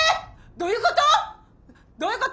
どういうこと！？